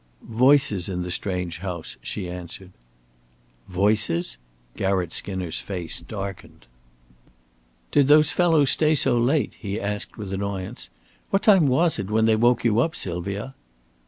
"Voices in the strange house," she answered. "Voices?" Garratt Skinner's face darkened. "Did those fellows stay so late?" he asked with annoyance. "What time was it when they woke you up, Sylvia?"